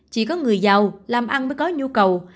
chỉ có người giàu làm ăn mới có nhu cầu